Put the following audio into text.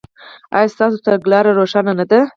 ایا ستاسو تګلاره روښانه نه ده؟